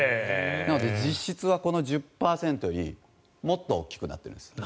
なので実質は１０％よりもっと大きくなってるんです。